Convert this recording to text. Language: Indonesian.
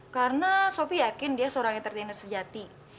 karena sofi yakin dia seorang entertainer sejati